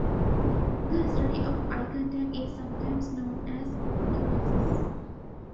The study of eye contact is sometimes known as "oculesics".